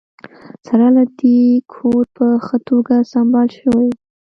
سره له دې کور په ښه توګه سمبال شوی و